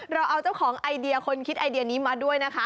เราเอาเจ้าของไอเดียคนคิดไอเดียนี้มาด้วยนะคะ